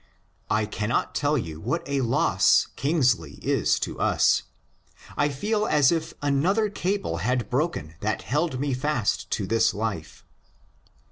I cannot tell you what a loss Kingsley is to us. I feel as if another cable had broken that held me fast to this life.